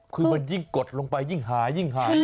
อ๋อคือมันยิ่งกดลงไปยิ่งหาย